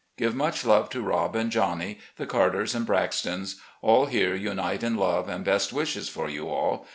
Give much love to Rob and Johnny, the Carters and Braxtons. All here unite in love and best wishes for you all.